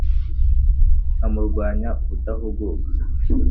nkamurwanya ubudahuguka